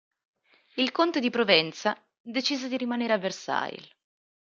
Il conte di Provenza decise di rimanere a Versailles.